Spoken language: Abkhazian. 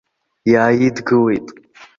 Иааидгылеит.